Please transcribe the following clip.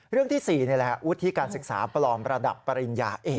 เรื่องที่สี่นี่แหละวุฒิทธิการศึกษาประลอมประดับปริญญาเอก